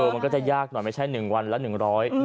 มันก็จะยากหน่อยไม่ใช่๑วันละ๑๐๐บาท